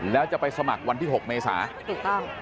แล้วจะไปสมัครวันที่๖เมษาถูกต้อง